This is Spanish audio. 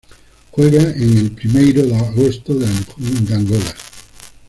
Juega en el Primeiro de Agosto de Angola.